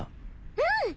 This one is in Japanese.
うん！